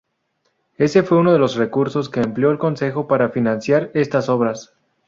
Ese fue uno de los recursos que empleó el concejo para financiar estas obras.